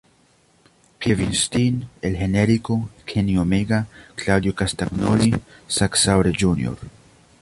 Kevin Steen, El Generico, Kenny Omega, Claudio Castagnoli, Zack Sabre Jr.